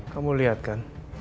kamu lihat kan